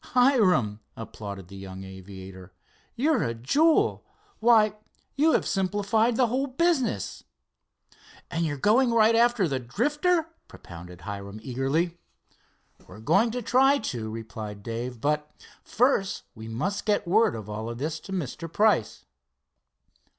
"Hiram," applauded the young aviator, "you're a jewel. Why, you have simplified the whole business." "And you're going right after the Drifter?" propounded Hiram eagerly. "'We're going to try to," replied Dave, "but first we must get word of all this to Mr. Price."